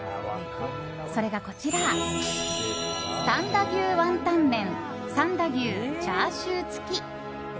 それがこちら、三田牛ワンタン麺三田牛チャーシュー付き。